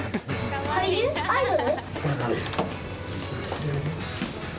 俳優？アイドル？